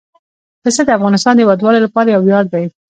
پسه د افغانستان د هیوادوالو لپاره یو ویاړ دی.